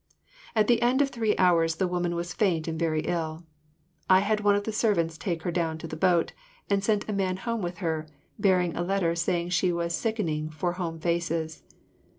At the end of three hours the woman was faint and very ill. I had one of the servants take her down to the boat, and sent a man home with her, bearing a letter saying she was sickening for home faces.